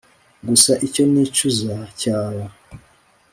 gusa icyo nicuza cyaba